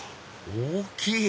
大きい！